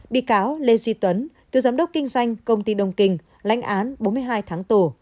bị cáo lê duy tuấn cựu giám đốc kinh doanh công ty đông kình lãnh án bốn mươi hai tháng tù